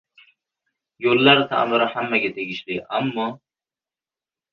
Yo‘llar ta’miri hammaga tegishli, ammo...